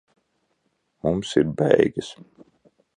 Mums ir beigas.